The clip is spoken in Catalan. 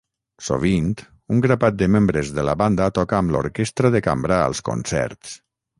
Sovint, un grapat de membres de la banda toca amb l'orquestra de cambra als concerts.